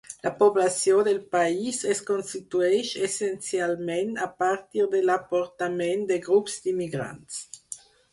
La població del país es constitueix essencialment a partir de l'aportament de grups d'immigrants.